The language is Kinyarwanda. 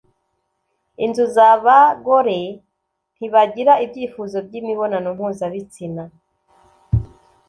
inzu za bagore ntibagira ibyifuzo by'imibonano mpuzabitsina